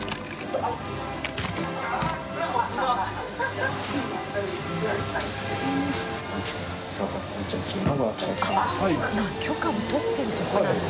あっ今許可を取ってるところなんだ。